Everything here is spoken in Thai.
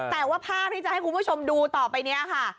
แต่ว่าภาพที่จะให้คุณผู้ชมดูต่อไปนี้ค่ะ